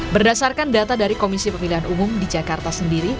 berdasarkan data dari komisi pemilihan umum di jakarta sendiri